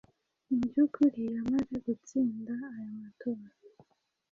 mu by'ukuri yamaze gutsinda aya matora"